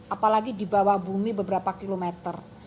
apalagi di bawah bumi beberapa kilometer